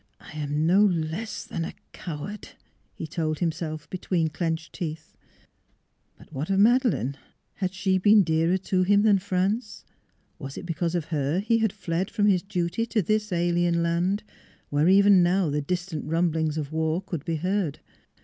" I am no less than a coward I " he told him self between clenched teeth. But what of Madeleine? Had she been dearer to him than France? Was it because of her he had fled from his duty to this alien land, where even now the distant rumblings of war could be heard?